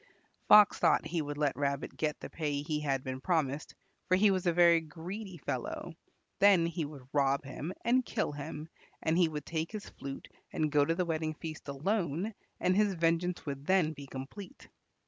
Fox thought he would let Rabbit get the pay he had been promised, for he was a very greedy fellow; then he would rob him and kill him, and he would take his flute and go to the wedding feast alone, and his vengeance would then be complete.